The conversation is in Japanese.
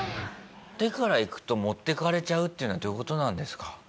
手からいくと持っていかれちゃうっていうのはどういう事なんですか？